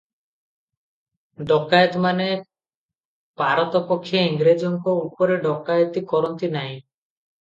ଡକାଏତମାନେ ପାରତ ପକ୍ଷେ ଇଂରେଜଙ୍କ ଉପରେ ଡକାଏତି କରନ୍ତି ନାହିଁ ।